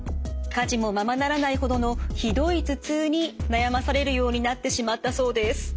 家事もままならないほどのひどい頭痛に悩まされるようになってしまったそうです。